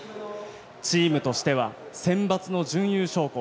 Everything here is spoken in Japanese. チームとしてはセンバツの準優勝校